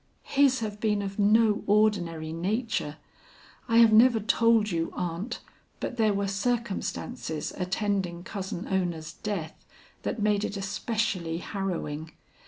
"His have been of no ordinary nature. I have never told you, aunt, but there were circumstances attending Cousin Ona's death that made it especially harrowing.